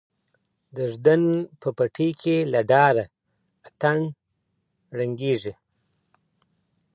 د ږدن په پټي کي له ډاره اتڼ ړنګیږي.